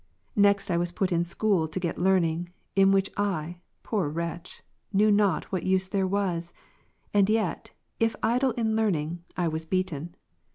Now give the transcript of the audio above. Next I was put to school to get learning, in which I (poor wretch) knew not what use there was; and yet, if idle in learning, I was l)eaten.